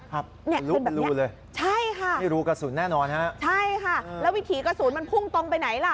ครับรูเลยไม่รู้กระสุนแน่นอนครับใช่ค่ะแล้ววิธีกระสุนมันพุ่งตรงไปไหนล่ะ